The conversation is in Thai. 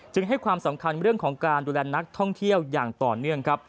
ให้ความสำคัญเรื่องของการดูแลนักท่องเที่ยวอย่างต่อเนื่องครับ